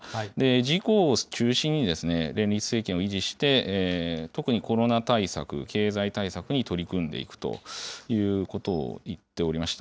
自公を中心に連立政権を維持して、特にコロナ対策、経済対策に取り組んでいくということを言っておりました。